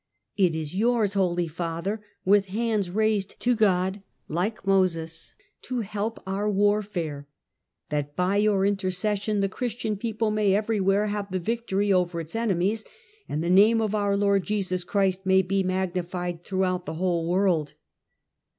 It is yours, holy Father, with hands raised to God like Moses, to help our warfare ; that by your intercession the Chris tian people may everywhere have the victory over its enemies, and the name of our Lord Jesus Christ may be magnified throughout the whole world."